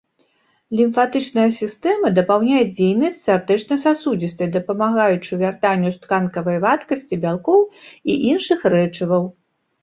Лімфатычная сістэма дапаўняе дзейнасць сардэчна-сасудзістай, дапамагаючы вяртанню з тканкавай вадкасці бялкоў і іншых рэчываў.